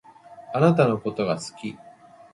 あなたのことが好き